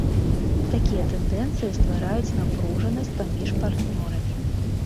Такія тэндэнцыі ствараюць напружанасць паміж партнёрамі.